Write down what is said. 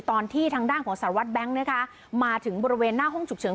ตอนที่ทางด้านของสารวัตรแบงค์นะคะมาถึงบริเวณหน้าห้องฉุกเฉิน